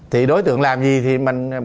thì đối tượng làm gì thì mình